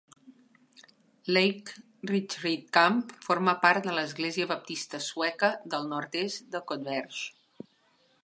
Lake Retreat Camp forma part de l'Església baptista sueca del nord-est de Converge.